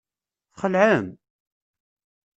Txelɛem?